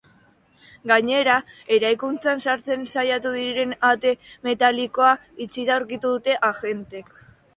Gainera, eraikuntzan sartzen saiatu direnean ate metalikoa itxita aurkitu dute agenteek.